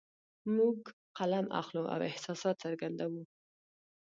موږ قلم اخلو او احساسات څرګندوو